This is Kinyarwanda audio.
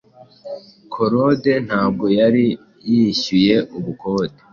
korode ntabwo yari yihyuye ubukode